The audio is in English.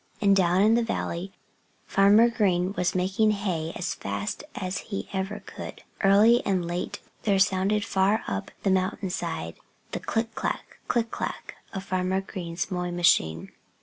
And down in the valley Farmer Green was making hay as fast as ever he could. Early and late there sounded far up the mountainside the click clack click clack of Farmer Green's mowing machine.